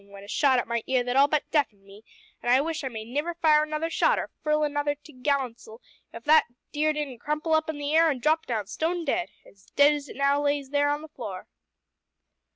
went a shot at my ear that all but deaf'ned me, an' I wish I may niver fire another shot or furl another t'gallant s'l if that deer didn't crumple up in the air an' drop down stone dead as dead as it now lays there on the floor."